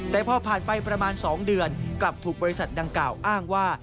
แต่พอผ่านไปประมาณ๒เดือนกลับถูกบริษัทดังกล่าวอ้างว่า